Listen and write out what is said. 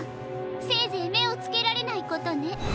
せいぜいめをつけられないことね。